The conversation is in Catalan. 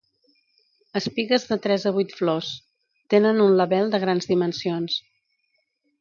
Espigues de tres a vuit flors: tenen un label de grans dimensions.